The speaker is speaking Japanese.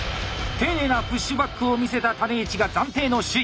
丁寧なプッシュバックを見せた種市が暫定の首位。